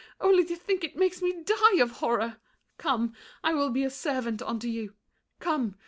Only to think it makes me die of horror! Come! I will be a servant unto you. Come!